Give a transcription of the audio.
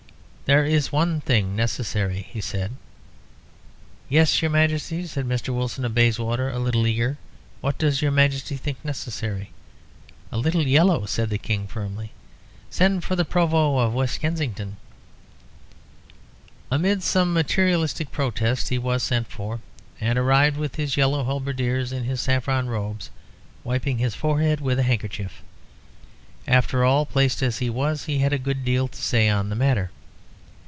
"There is one thing necessary," he said. "Yes, your Majesty," said Mr. Wilson of Bayswater, a little eagerly. "What does yer Majesty think necessary?" "A little yellow," said the King, firmly. "Send for the Provost of West Kensington." Amid some materialistic protests he was sent for, and arrived with his yellow halberdiers in his saffron robes, wiping his forehead with a handkerchief. After all, placed as he was, he had a good deal to say on the matter.